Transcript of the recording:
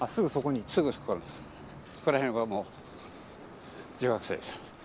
ここら辺はもう女学生です。